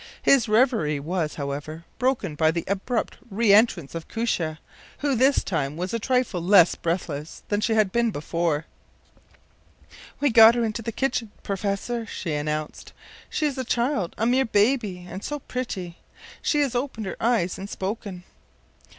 His reverie was, however, broken by the abrupt reentrance of Koosje, who this time was a trifle less breathless than she had been before. “We have got her into the kitchen, professor,” she announced. “She is a child a mere baby, and so pretty! She has opened her eyes and spoken.